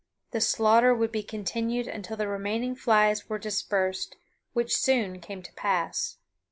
The slaughter would be continued until the remaining flies were dispersed, which soon came to pass.